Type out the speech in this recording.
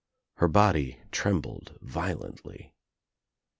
Her body trembled violently.